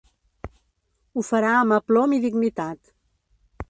Ho farà amb aplom i dignitat